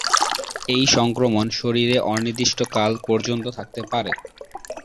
এই সংক্রমণ শরীরে অনির্দিষ্ট কাল পর্যন্ত থাকতে পারে।